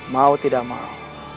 mau tidak mau